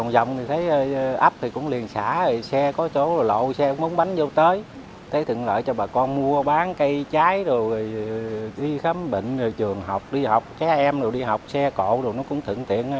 bán cây trái rồi đi khám bệnh trường học đi học trẻ em rồi đi học xe cộ nó cũng thượng thiện